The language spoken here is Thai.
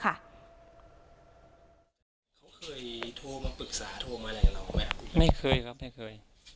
เขาเคยโทรมาปรึกษาโทรมาอะไรกับเราไหมไม่เคยครับไม่เคย